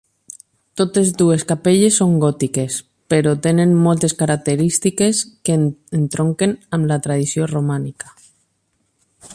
Totes dues capelles són gòtiques, però tenen moltes característiques que entronquen amb la tradició romànica.